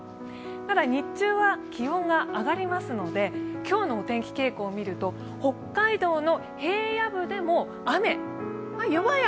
ただ、日中は気温が上がりますので今日のお天気傾向を見ると北海道の平野部でも雨。